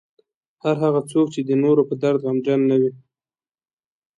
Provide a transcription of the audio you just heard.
هر هغه څوک چې د نورو په درد غمجن نه وي.